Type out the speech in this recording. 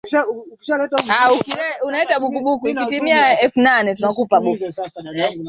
Waliongea sana jana